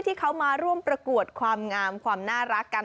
ที่เขามาร่วมประกวดความงามความน่ารักกัน